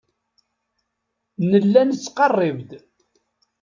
Nella nettqerrib-d.